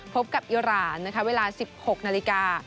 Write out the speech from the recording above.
พบกับอิราณเวลา๑๖นาฬิกา